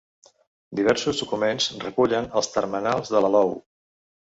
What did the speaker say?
Diversos documents recullen els termenals de l'alou.